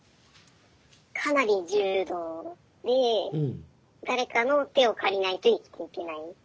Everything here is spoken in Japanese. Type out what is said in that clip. かなり重度で誰かの手を借りないと生きていけない。